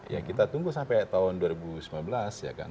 ya kita tunggu sampai tahun dua ribu sembilan belas